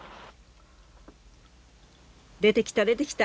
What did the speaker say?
出てきた出てきた！